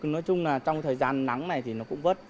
nói chung là trong thời gian nắng này thì nó cũng vất